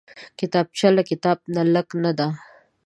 کتابچه له کتاب نه لږ نه ده